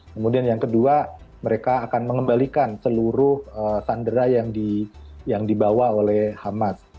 kemudian yang kedua mereka akan mengembalikan seluruh sandera yang dibawa oleh hamat